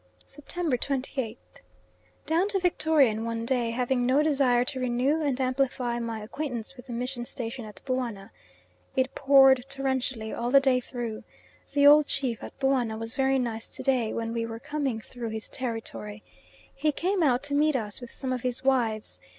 September 28th. Down to Victoria in one day, having no desire to renew and amplify my acquaintance with the mission station at Buana. It poured torrentially all the day through. The old chief at Buana was very nice to day when we were coming through his territory. He came out to meet us with some of his wives.